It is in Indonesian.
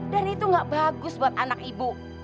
dan itu gak bagus buat anak ibu